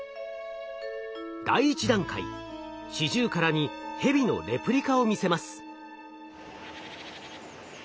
第１段階シジュウカラにヘビのレプリカを見せます。